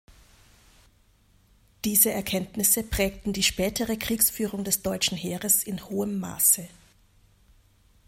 Diese Erkenntnisse prägten die spätere Kriegsführung des deutschen Heeres in hohem Maße.